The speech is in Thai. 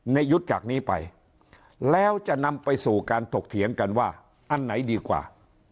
ยุทธ์จากนี้ไปแล้วจะนำไปสู่การถกเถียงกันว่าอันไหนดีกว่า